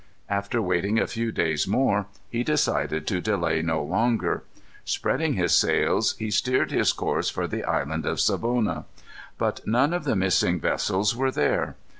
After waiting a few days more, he decided to delay no longer. Spreading his sails, he steered his course for the Island of Savona. But none of the missing vessels were there.